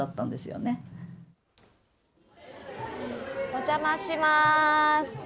お邪魔します。